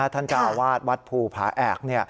ท่านกาวาสวัดวัดภูผาแอก